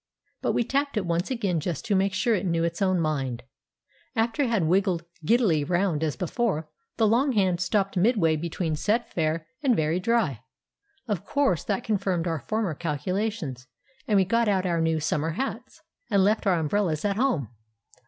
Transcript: But we tapped it once again, just to make sure it knew its own mind. After it had wiggled giddily round as before, the long hand stopped midway between "Set Fair" and "Very Dry." Of course that confirmed our former calculations, and we got out our new summer hats, and left our umbrellas at home.